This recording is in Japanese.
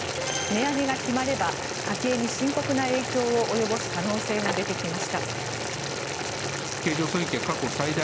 値上げが決まれば家計に深刻な影響を及ぼす可能性が出てきました。